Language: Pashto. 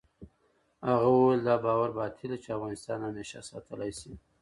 هغه وویل، دا باور باطل دی چې افغانستان همېشه ساتلای شي.